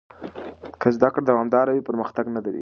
که زده کړه دوامداره وي، پرمختګ نه درېږي.